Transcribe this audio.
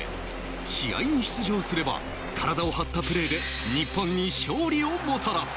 試合に出場すれば体を張ったプレーで日本に勝利をもたらす。